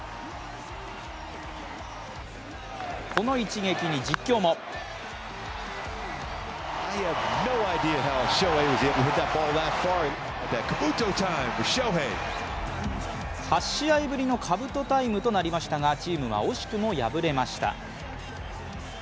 この一撃に実況も８試合ぶりのかぶとタイムとなりましたがチームは惜しくも敗れました。